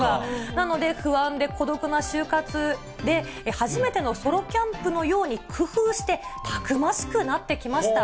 なので、不安で孤独な就活で、初めてのソロキャンプのように工夫して、たくましくなってきました。